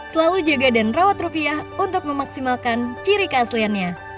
selalu jaga dan rawat rupiah untuk memaksimalkan ciri keasliannya